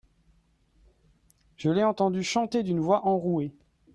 je l'ai entendu chanter d'une voix enrouée.